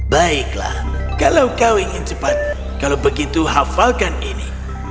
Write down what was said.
baiklah kalau kau ingin cepat kalau begitu hafalkan ini